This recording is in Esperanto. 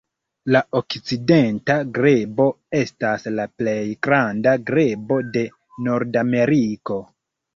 La Okcidenta grebo estas la plej granda grebo de Nordameriko.